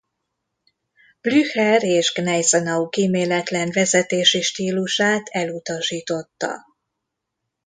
Blücher és Gneisenau kíméletlen vezetési stílusát elutasította.